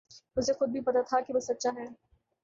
اسے خود بھی پتہ تھا کہ وہ سچا ہے